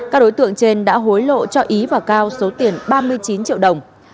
các đối tượng trên đã hối lộ cho ý và cao số tiền ba mươi chín triệu đồng